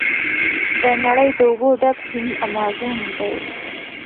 د نړۍ د اوبو ډک سیند امازون دی.